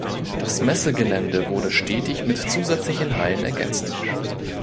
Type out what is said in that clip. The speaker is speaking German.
Das Messegelände wurde stetig mit zusätzlichen Hallen ergänzt.